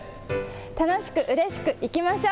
楽しく、うれしく、いきましょう。